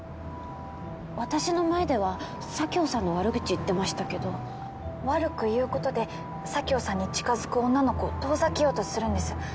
私の前では佐京さんの悪口言ってましたけど悪く言うことで佐京さんに近づく女の子を遠ざけようとするんです